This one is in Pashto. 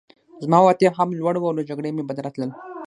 زما عواطف هم لوړ وو او له جګړې مې بد راتلل